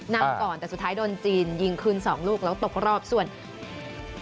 นำก่อนแต่สุดท้ายโดนจีนยิงคืน๒ลูกแล้วก็ตกรอบส่วนเวียดนาม